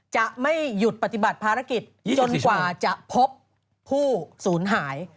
จะไม่หยุดปฏิบัติภารกิจจนกว่าจะพบผู้สูญหาย